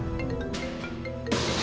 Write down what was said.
coba duluan ya